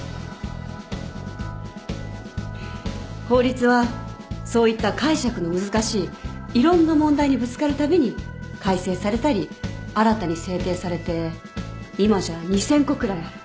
法律はそういった解釈の難しいいろんな問題にぶつかるたびに改正されたり新たに制定されて今じゃ２，０００個くらいある。